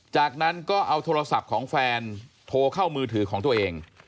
จากนั้นก็เอาโทรศัพท์ของแฟนโทรเข้ามือถือของตัวเอง